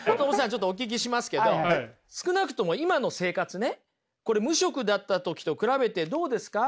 ちょっとお聞きしますけど少なくとも今の生活ねこれ無職だった時と比べてどうですか？